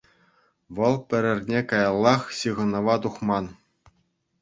Вӑл пӗр эрне каяллах ҫыхӑнӑва тухман.